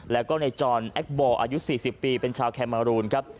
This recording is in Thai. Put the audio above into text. แล้วก็ในจอนแอคบอลอายุ๔๐ปีเป็นชาวแคมารูนครับ